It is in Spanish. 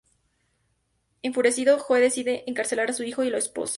Enfurecido, Joe decide encarcelar a su hijo y lo esposa.